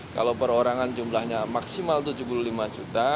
kalau perorangan jumlahnya maksimal tujuh puluh lima juta